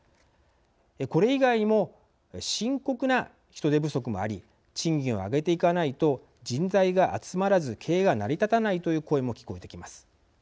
これ以外にも深刻な人手不足もあり賃金を上げていかないと人材が集まらず経営が成り立たないという声も聞こえてきます。